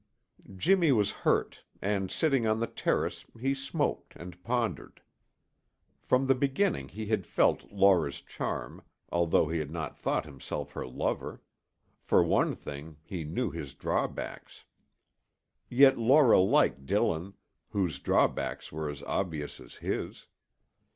Jimmy was hurt, and sitting on the terrace, he smoked and pondered. From the beginning he had felt Laura's charm, although he had not thought himself her lover; for one thing, he knew his drawbacks. Yet Laura liked Dillon, whose drawbacks were as obvious as his.